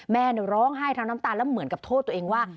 แม่ร้องไห้ทั้งน้ำตาแล้วเหมือนกับโทษตัวเองว่า